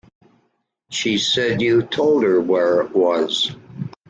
She said you told her where it was.